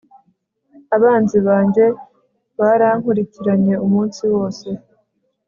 abanzi banjye barankurikiranye umunsi wose